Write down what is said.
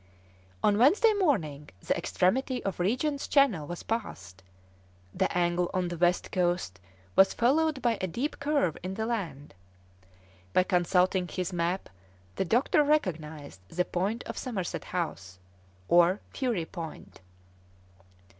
On Wednesday morning the extremity of Regent's Channel was passed; the angle on the west coast was followed by a deep curve in the land. By consulting his map the doctor recognised the point of Somerset House, or Fury Point.